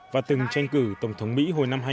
và từng tranh cử tổng thống mỹ hồi năm hai nghìn tám